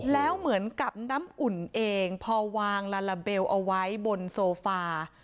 แล้วเหมือนกับน้ำอุ่นเองพอวางลาลาเบลเอาไว้บนโซฟา